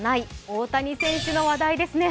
大谷選手の話題ですね。